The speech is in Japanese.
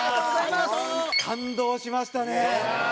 感動しましたね。